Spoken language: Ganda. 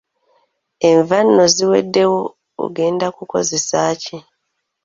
Enva nno ziweddewo ogenda kukozaaki?